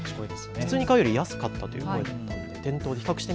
普通に買うより安かったということでした。